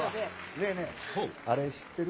ねえねえ、あれ知ってる？